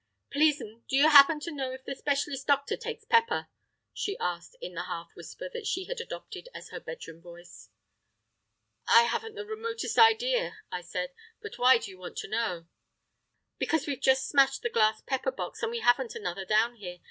"Please, m'm, do you happen to know if the specialist doctor takes pepper?" she asked in the half whisper that she had adopted as her bedroom voice. "I haven't the remotest idea," I said; "but why do you want to know?" "Because we've just smashed the glass pepper box, and we haven't another down here.